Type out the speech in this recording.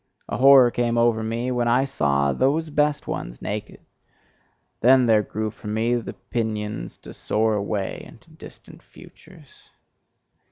A horror came over me when I saw those best ones naked: then there grew for me the pinions to soar away into distant futures.